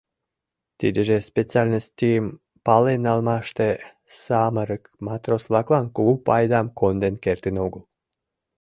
Тидыже специальностьым пален налмаште самырык матрос-влаклан кугу пайдам конден кертын огыл.